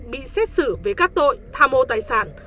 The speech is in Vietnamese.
bị xét xử với các tội tham mô tài sản